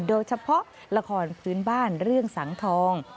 โดยเฉพาะละครพื้นบ้านเรื่องสังทอง